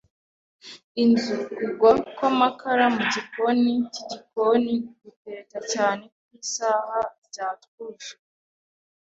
inzu; kugwa kw'amakara mu gikoni cy'igikoni, gutereta cyane kw'isaha, byatwuzuye